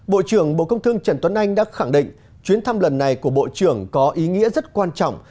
bộ trưởng bộ công thương trần tuấn anh đã khẳng định chuyến thăm lần này của bộ trưởng có ý nghĩa rất quan trọng